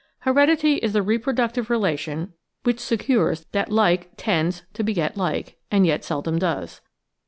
Heredity is the reproductive relation which secures that like tends to beget like, and yet seldom does.